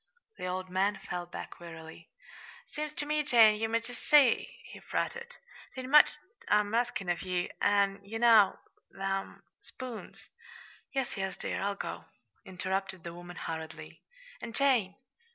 The old man fell back wearily. "Seems ter me, Jane, ye might jest see," he fretted. "'T ain't much I'm askin' of ye, an' ye know them spoons " "Yes, yes, dear, I'll go," interrupted the woman hurriedly. "And, Jane!"